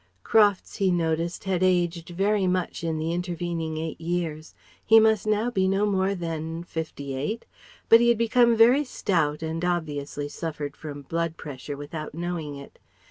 Crofts, he noticed, had aged very much in the intervening eight years. He must now be no more than 58? But he had become very stout and obviously suffered from blood pressure without knowing it.